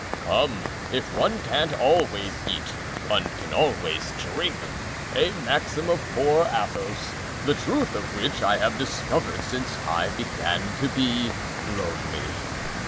"Come, if one can't always eat, one can always drink—a maxim of poor Athos, the truth of which I have discovered since I began to be lonely."